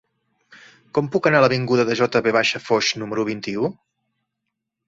Com puc anar a l'avinguda de J. V. Foix número vint-i-u?